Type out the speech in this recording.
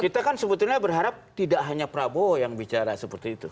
kita kan sebetulnya berharap tidak hanya prabowo yang bicara seperti itu